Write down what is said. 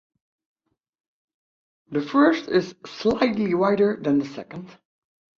The first is slightly wider than the second.